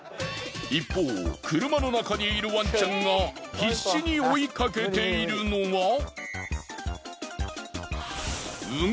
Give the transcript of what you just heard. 一方車の中にいるワンちゃんが必死に追いかけているのは。